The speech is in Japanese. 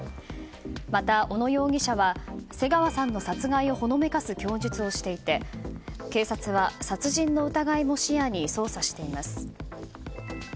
また、小野容疑者は瀬川さんの殺害をほのめかす供述をしていて警察は、殺人の疑いも視野に捜査しています。